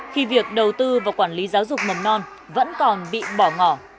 khi việc đầu tư và quản lý giáo dục mầm non vẫn còn bị bỏ ngỏ